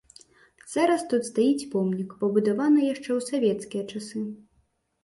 Зараз тут стаіць помнік, пабудаваны яшчэ ў савецкія часы.